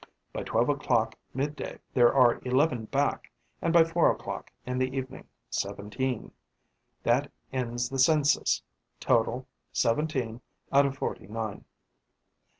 By twelve o'clock mid day, there are eleven back; and, by four o'clock in the evening, seventeen. That ends the census. Total: seventeen, out of forty nine.